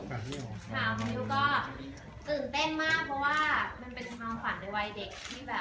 ครับคุณนิ้วก็ตื่นเต้นมากเพราะว่ามันเป็นความฝันในวัยเด็ก